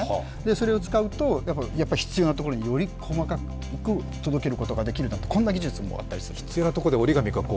それを使うと、必要なところにより細かく届けることができるこんな技術もあったりするんですよね。